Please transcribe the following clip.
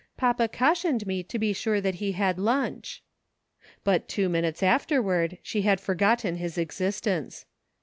Papa cautioned me to be sure that he had lunch." But two minutes afterward she had forgotten his existence.